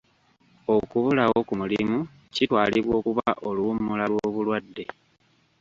Okubulawo ku mulimu kitwalibwa okuba oluwummula lw'obulwadde.